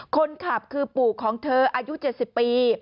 คนขับคือปูของเธออายุเจ็ดสิบปี